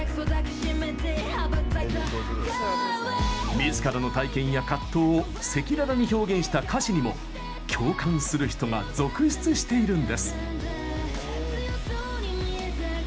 みずからの体験や葛藤を赤裸々に表現した歌詞にも共感する人が続出しているんです。